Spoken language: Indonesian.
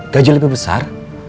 gaji lebih besar